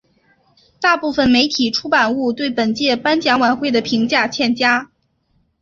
大部分媒体出版物对本届颁奖晚会的评价欠佳。